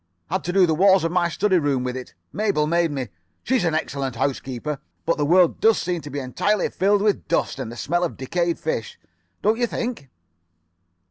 Had to do the walls of my study room with it. Mabel made me. She's an excellent housekeeper. But the world does seem to be [Pg 68]entirely filled with dust, and the smell of decayed fish, don't you think?